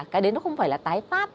cái đấy nó không phải là tái phát